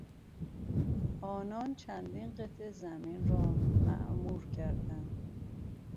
آنان چندین قطعه زمین را معمور کردند.